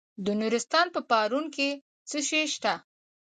د نورستان په پارون کې څه شی شته؟